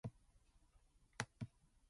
Stary Aldar is the nearest rural locality.